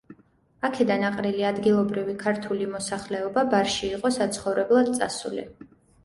აქედან აყრილი ადგილობრივი ქართული მოსახლეობა ბარში იყო საცხოვრებლად წასული.